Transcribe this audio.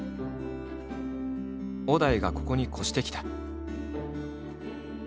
小田井がここに越してきた。